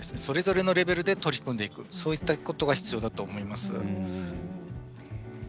それぞれのレベルで取り組んでいくそういったことが必要だと思います。